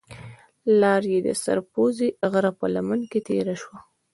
لار یې د سر پوزې غره په لمن کې تېره شوې.